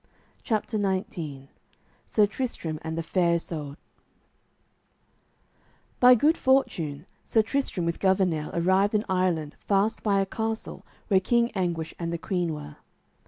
CHAPTER XIX SIR TRISTRAM AND THE FAIR ISOUD By good fortune Sir Tristram with Gouvernail arrived in Ireland fast by a castle where King Anguish and the queen were.